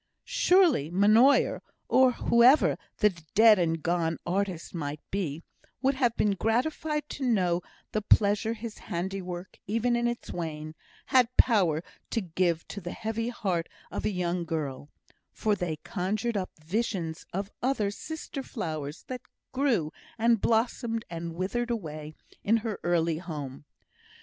Surely Monnoyer, or whoever the dead and gone artist might be, would have been gratified to know the pleasure his handiwork, even in its wane, had power to give to the heavy heart of a young girl; for they conjured up visions of other sister flowers that grew, and blossomed, and withered away in her early home.